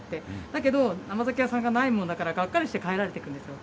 だけど、甘酒屋さんがないものだから、がっかりして帰られていくんですよ。